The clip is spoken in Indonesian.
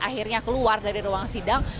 akhirnya keluar dari ruang sidang